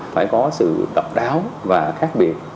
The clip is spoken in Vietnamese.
phải có sự độc đáo và khác biệt